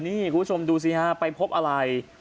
นี่คุณผู้ชมดูสิฮะไปพบอะไร